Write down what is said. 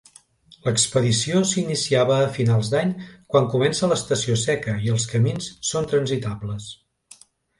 L'expedició s'iniciava a finals d'any quan comença l'estació seca i els camins són transitables.